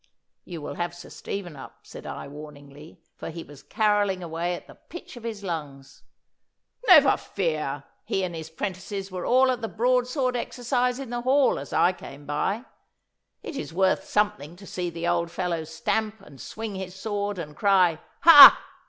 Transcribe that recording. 'You will have Sir Stephen up,' said I warningly, for he was carolling away at the pitch of his lungs. 'Never fear! He and his 'prentices were all at the broad sword exercise in the hall as I came by. It is worth something to see the old fellow stamp, and swing his sword, and cry, "Ha!"